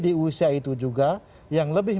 di usia itu juga yang lebih